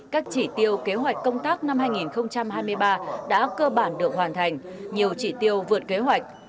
các chỉ tiêu kế hoạch công tác năm hai nghìn hai mươi ba đã cơ bản được hoàn thành nhiều chỉ tiêu vượt kế hoạch